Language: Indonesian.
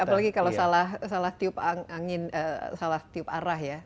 apalagi kalau salah tiup arah ya